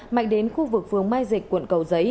mạnh đến khu vực phường mai dịch quận cầu giấy